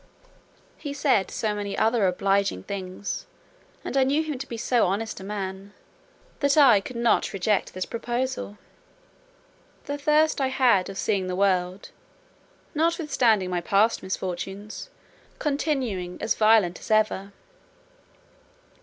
He said so many other obliging things, and I knew him to be so honest a man, that I could not reject this proposal; the thirst I had of seeing the world, notwithstanding my past misfortunes, continuing as violent as ever.